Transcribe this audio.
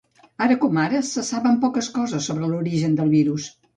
Ara com ara, se saben poques coses sobre l’origen del virus.